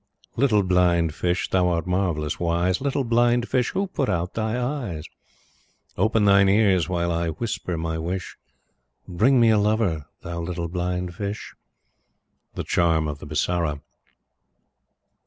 Little Blind Fish, thou art marvellous wise, Little Blind Fish, who put out thy eyes? Open thine ears while I whisper my wish Bring me a lover, thou little Blind Fish. The Charm of the Bisara.